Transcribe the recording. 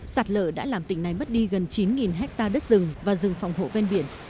sạt lở đã làm tỉnh này mất đi gần chín hectare đất rừng và rừng phòng hộ ven biển